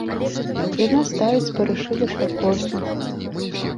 Яна ставіць спарышы ля пракосу.